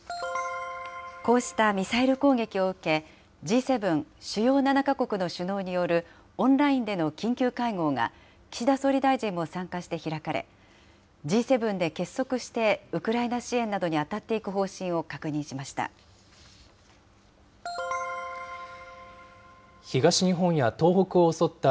こうしたミサイル攻撃を受け、Ｇ７・主要７か国の首脳によるオンラインでの緊急会合が、岸田総理大臣も参加して開かれ、Ｇ７で結束して、ウクライナ支援などに当たっていく方針を確認しました。